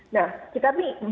nah kita nih bekerja